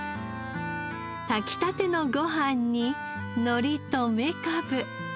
炊きたてのご飯にのりとめかぶ。